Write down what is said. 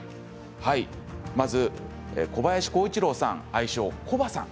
まず小林幸一郎さん愛称、コバさん。